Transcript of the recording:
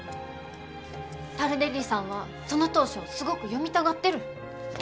タルデッリさんはその投書をすごく読みたがってる。